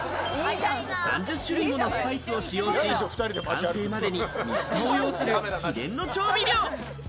３０種類ものスパイスを使用し、完成までに３日を要する秘伝の調味料。